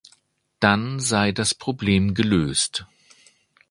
Dann sei das Problem gelöst.